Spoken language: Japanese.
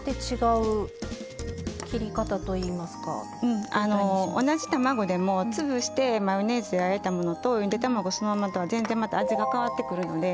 うんあの同じ卵でもつぶしてマヨネーズであえたものとゆで卵そのままとは全然また味が変わってくるので。